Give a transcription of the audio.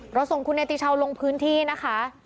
ส่งคุณเนติชาวลงพื้นที่นะคะ